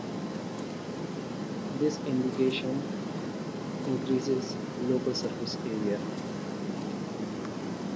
This indentation increases local surface area.